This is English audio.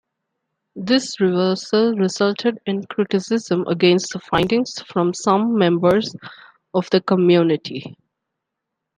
This reversal resulted in criticism against the findings from some members of the community.